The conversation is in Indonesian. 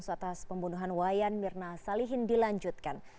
atas pembunuhan wayan mirna salihin dilanjutkan